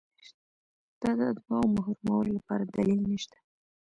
دا د اتباعو محرومولو لپاره دلیل نشته.